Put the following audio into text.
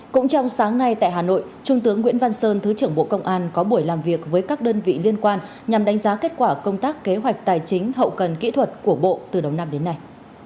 cũng trong sáng nay tại hà nội trung tướng nguyễn văn sơn thứ trưởng bộ công an có buổi làm việc với các đơn vị liên quan nhằm đánh giá kết quả công tác kế hoạch tài chính hậu cần kỹ thuật của bộ từ đầu năm đến nay